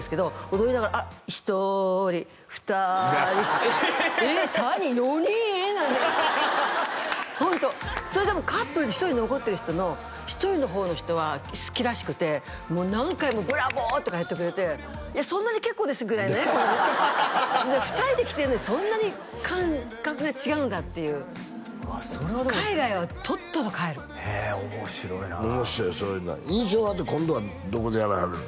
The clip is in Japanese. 踊りながらあっひとりふたりえっ３人４人！？なんてホントそれでもカップルで１人残ってる人の１人の方の人は好きらしくてもう何回もブラボー！とかやってくれて「えっそんなに結構です」ぐらいのねで２人で来てるのにそんなに感覚が違うんだっていう海外はとっとと帰るへえ面白いな面白いよそういうのは「印象派」って今度はどこでやらはるんですか？